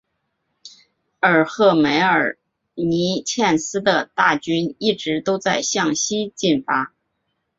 而赫梅尔尼茨基的大军一直都在向西进发。